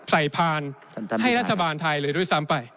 พานให้รัฐบาลไทยเลยด้วยซ้ำไป